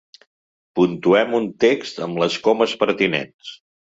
Puntuem un text amb les comes pertinents.